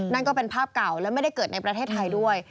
นั่นก็เป็นภาพเก่าและไม่ได้เกิดในประเทศไทยด้วย